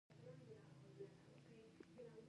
له دوو اونیو منډو وروسته تصویب شوه.